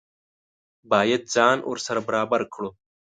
باید ځان ورسره برابر کړو.